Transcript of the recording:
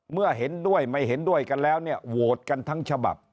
เมื่อเห็นด้วยไม่เห็นด้วยกันแล้วเนี่ยโหวตกันทั้งฉบับ